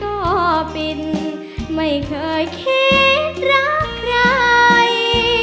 ก็ปิ่นไม่เคยคิดรักไร